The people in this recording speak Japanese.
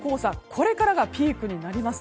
これからがピークになります。